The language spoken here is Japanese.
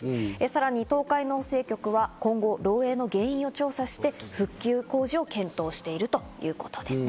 さらに東海農政局は今後、漏水の原因を調査して復旧工事を検討しているということです。